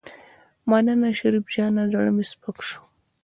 مننه شريف جانه زړه مې سپک شو.